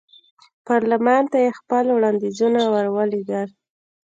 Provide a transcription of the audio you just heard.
پارلمان ته یې خپل وړاندیزونه ور ولېږل.